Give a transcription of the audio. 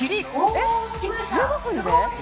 えっ１５分で？